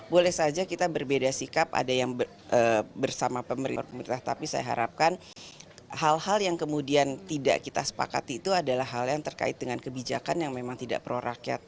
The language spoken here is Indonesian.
boleh saja kita berbeda sikap ada yang bersama pemerintah pemerintah tapi saya harapkan hal hal yang kemudian tidak kita sepakati itu adalah hal yang terkait dengan kebijakan yang memang tidak pro rakyat